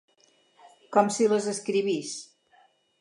Com si les escrivís.